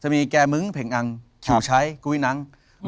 มีแก่มึ้งเผ็งอัง